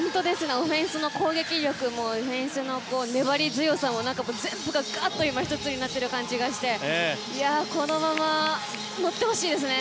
オフェンスの攻撃力もディフェンスの粘り強さも全部がガッと１つになっている感じがしてこのまま乗ってほしいですね。